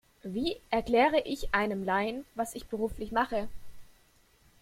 Wie erkläre ich einem Laien, was ich beruflich mache?